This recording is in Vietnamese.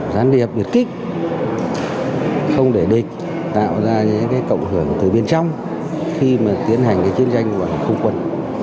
giám đệ hợp biệt kích không để địch tạo ra những cái cộng hưởng từ bên trong khi mà tiến hành cái chiến tranh của khung quân